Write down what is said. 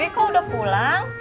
pipih kok udah pulang